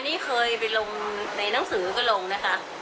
นี่เคยไปลงในหนังสือก็ลงนะคะ